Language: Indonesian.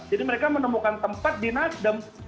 jadi mereka menemukan tempat di nasdem